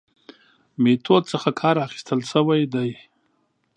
میتود څخه کار اخستل شوی دی.